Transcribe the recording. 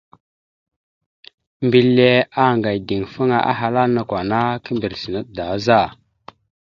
Mbile anga ideŋfaŋa, ahala: « Nakw ana kimbrec naɗ da za? ».